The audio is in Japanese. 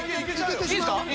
⁉いいっすか？